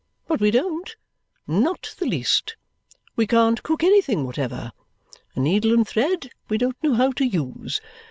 But we don't, not the least. We can't cook anything whatever. A needle and thread we don't know how to use.